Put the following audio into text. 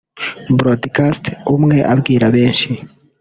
broadcast (Umwe abwira benshi)